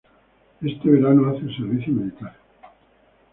Ese verano hace el servicio militar.